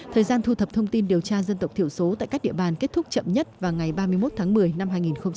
thời gian thu thập thông tin điều tra dân tộc thiểu số tại các địa bàn kết thúc chậm nhất vào ngày ba mươi một tháng một mươi năm hai nghìn một mươi chín